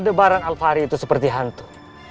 dan alvari itu seperti hantu